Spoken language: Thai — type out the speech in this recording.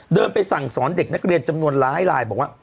เดินไปสั่งสอนเด็กนักเรียนจำนวนร้ายลายบอกว่า